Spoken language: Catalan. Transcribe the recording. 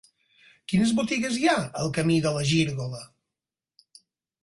Quines botigues hi ha al camí de la Gírgola?